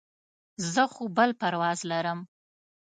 زه خو بل پرواز لرم.